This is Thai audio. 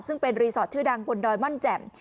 ซึ่งเป็นรีสอร์ทชื่อดังบนดอยม่อนแจ่ม